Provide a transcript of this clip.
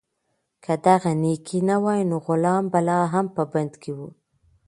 که دغه نېکي نه وای، نو غلام به لا هم په بند کې و.